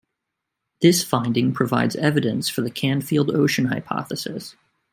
This finding provides evidence for the Canfield Ocean hypothesis.